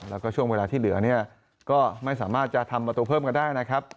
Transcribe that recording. แล้วก็ช่วงเวลาที่เหลือเนี่ยก็ไม่สามารถจะทำประตูเพิ่มกันได้นะครับ